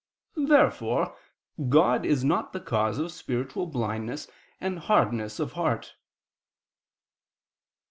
Therefore God is not the cause of spiritual blindness and hardness of heart.